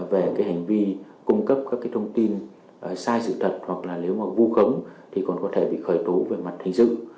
về cái hành vi cung cấp các cái thông tin sai sự thật hoặc là nếu mà vu khống thì còn có thể bị khởi tố về mặt hình sự